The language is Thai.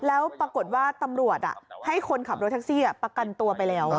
แล้วปรากฏว่าตำรวจให้คนขับรถแท็กซี่ประกันตัวไปแล้ว